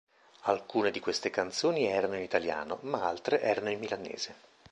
Alcune di queste canzoni erano in italiano, ma altre erano in milanese.